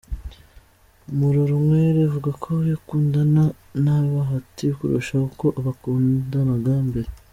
Murorunkwere avuga ko akundana na bahati kurusha uko bakundanaga mbere